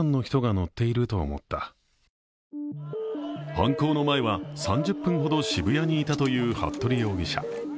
犯行の前は、３０分ほど渋谷にいたという服部容疑者。